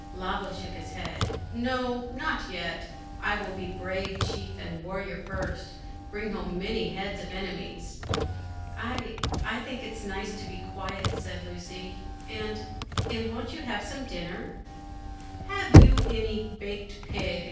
Lavo shook his head. "No, not yet; I will be brave chief and warrior first, bring home many heads of enemies." "I I think it nice to be quiet," said Lucy; "and and won't you have some dinner?" "Have you baked a pig?"